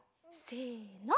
せの。